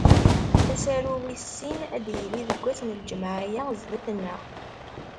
Asaru wis sin ad d-yili deg wass n lǧemɛa-ya sdat-neɣ.